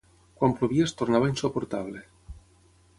Quan plovia es tornava insuportable.